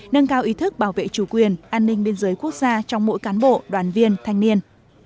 nâng cao ý thức bảo vệ chủ quyền an ninh biên giới quốc gia trong mỗi cán bộ đoàn viên thanh niên